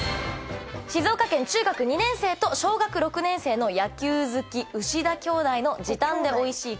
静岡県中学２年生と小学６年生の野球好き牛田きょうだいの時短でおいしい！